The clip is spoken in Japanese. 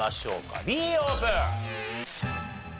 Ｂオープン。